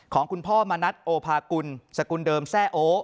ของคุณพ่อมณัฐโอภากุลสกุลเดิมแซ่โอ